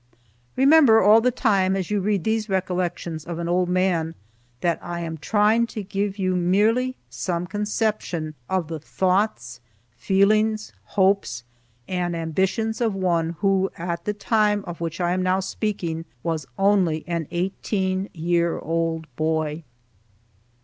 Remember all the time, as you read these recollections of an old man, that I am trying to give you merely some conception of the thoughts, feelings, hopes, and ambitions of one who, at the time of which I am now speaking, was only an eighteen year old boy.